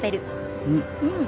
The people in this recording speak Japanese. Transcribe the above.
うん。